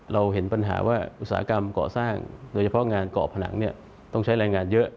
เราเห็นปัญหาว่าอุตสาหกรรมก่อสร้างโดยเฉพาะงานเกาะผนังต้องใช้แรงงานเยอะ